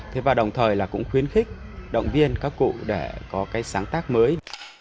thế và đồng thời là cũng khuyến khích động viên các cụ để có cái sáng tác mới